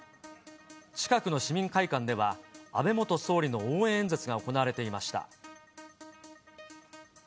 近くの市民会館では、安倍元総理の応援演説が行われていました。